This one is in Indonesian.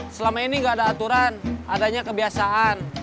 selama ini gak ada aturan adanya kebiasaan